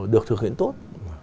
được thực hiện tốt